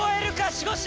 守護神！